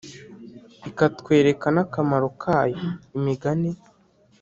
ikatwereka n akamaro kayo Imigani